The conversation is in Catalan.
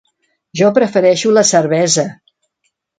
Jo prefereixo la cervesa.